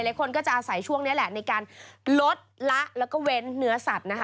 คนก็จะอาศัยช่วงนี้แหละในการลดละแล้วก็เว้นเนื้อสัตว์นะคะ